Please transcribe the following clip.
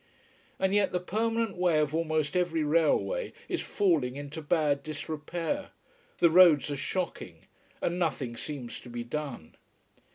And yet the permanent way of almost every railway is falling into bad disrepair, the roads are shocking. And nothing seems to be done.